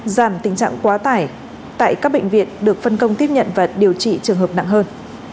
giảm tình trạng quá tải tại các bệnh viện được phân công tiếp nhận và điều trị trường hợp nặng hơn